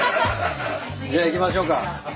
じゃあ行きましょうか。